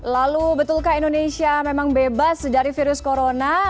lalu betulkah indonesia memang bebas dari virus corona